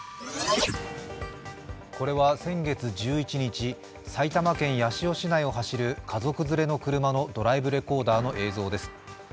これは先月１１日埼玉県八潮市内を走る家族連れの車のドライブレコーダーの映像です。